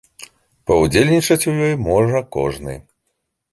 Паўдзельнічаць у ёй можа кожны.